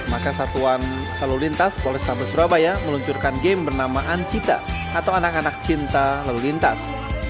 maka satuan lalu lintas polrestabes surabaya meluncurkan game bernama ancita atau anak anak cinta lalu lintas